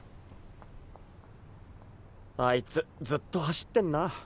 あいつずっと走ってんな。